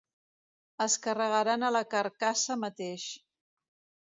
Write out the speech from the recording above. Es carregaran a la carcassa mateix.